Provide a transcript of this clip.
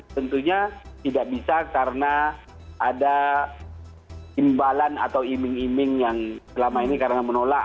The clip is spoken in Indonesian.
tentunya tidak bisa karena ada imbalan atau iming iming yang selama ini karena menolak